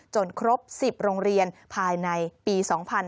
ครบ๑๐โรงเรียนภายในปี๒๕๕๙